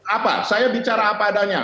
apa saya bicara apa adanya